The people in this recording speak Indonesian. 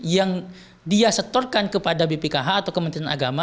yang dia setorkan kepada bpkh atau kementerian agama